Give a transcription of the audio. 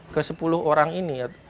ke sepuluh orang ini